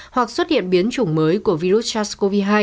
hoặc xuất hiện biến chủng mới của virus sars cov hai